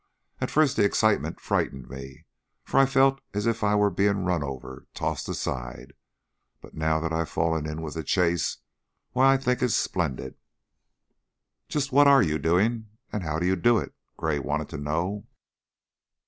At first the excitement frightened me, for I felt as if I were being run over, tossed aside. But now that I've fallen in with the chase, why I think it is splendid." "Just what are you doing and how do you do it?" Gray wanted to know.